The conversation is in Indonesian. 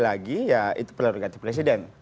lagi ya itu prerogatif presiden